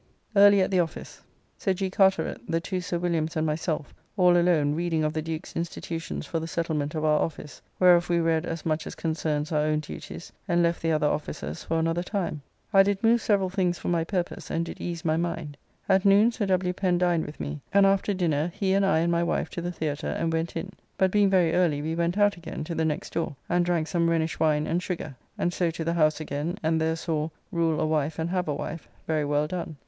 Early at the office. Sir G. Carteret, the two Sir Williams and myself all alone reading of the Duke's institutions for the settlement of our office, whereof we read as much as concerns our own duties, and left the other officers for another time. I did move several things for my purpose, and did ease my mind. At noon Sir W. Pen dined with me, and after dinner he and I and my wife to the Theatre, and went in, but being very early we went out again to the next door, and drank some Rhenish wine and sugar, and so to the House again, and there saw "Rule a Wife and have a Wife" very well done.